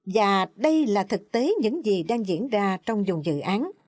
và đây là thực tế những gì đang diễn ra trong dùng dự án